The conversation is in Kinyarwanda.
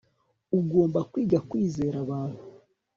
ugomba kwiga kwizera abantu